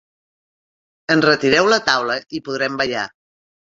Enretireu la taula i podrem ballar.